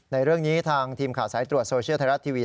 ในเรื่องนี้ทางทีมข่าวสายตรวจโซเชียลไทยรัฐทีวี